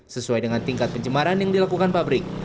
sesuai dengan tingkat pencemaran yang dilakukan pabrik